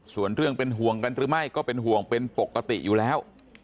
ส่วนเรื่องเป็นห่วงกันหรือไม่ก็เป็นห่วงเป็นปกติอยู่แล้ว